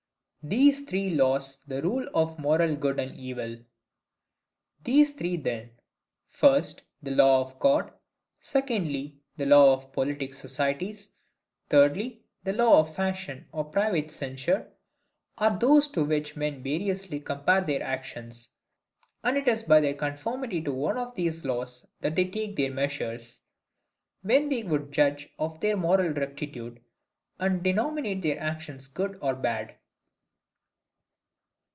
These three Laws the Rules of moral Good and Evil. These three then, first, the law of God; secondly, the law of politic societies; thirdly, the law of fashion, or private censure, are those to which men variously compare their actions: and it is by their conformity to one of these laws that they take their measures, when they would judge of their moral rectitude, and denominate their actions good or bad.